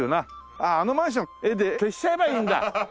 あああのマンション絵で消しちゃえばいいんだ！